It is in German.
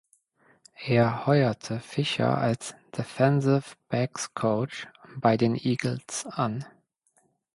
Er heuerte Fisher als Defensive Backs Coach bei den Eagles an.